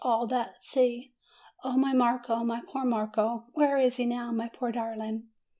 All that sea! O my Marco, my poor Marco ! Where is he now, my poor darling?"